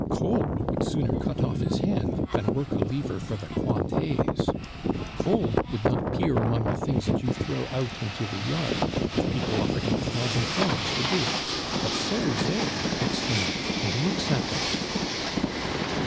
Kolb would sooner cut off his hand than work a lever for the Cointets; Kolb would not peer among the things that you throw out into the yard if people offered him a thousand crowns to do it; but Cerizet picks them up and looks at them."